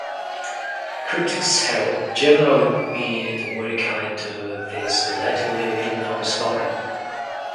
Critics have generally been very kind to this relatively little-known story.